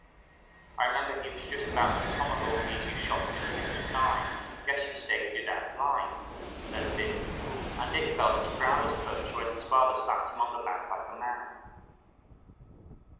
Here's the fellow you shot, sonny I remember he was just about to tomahawk me as you shot him in the nick of time guess you saved your dad's life," and Dick felt as proud as Punch when his father slapped him on the back like a man.